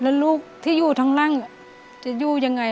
แล้วลูกที่อยู่ทั้งล่างจะอยู่ยังไง